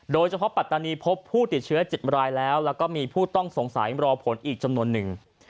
ปัตตานีพบผู้ติดเชื้อ๗รายแล้วแล้วก็มีผู้ต้องสงสัยรอผลอีกจำนวนหนึ่ง